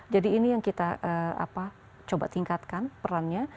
jadi ini yang kita coba tingkatkan perannya